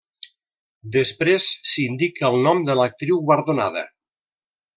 Després s'indica el nom de l'actriu guardonada.